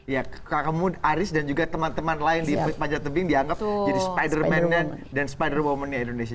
ya kamu aris dan juga teman teman lain di panjatubing dianggap jadi spider man dan spider woman nya indonesia